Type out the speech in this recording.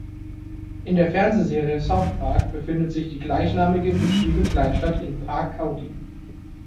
In der Fernsehserie South Park befindet sich die gleichnamige fiktive Kleinstadt in Park County.